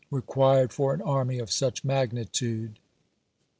required for an army of such magnitude.